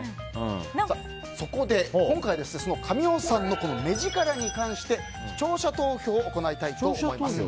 そこで今回神尾さんの目力に関して視聴者投票を行いたいと思います。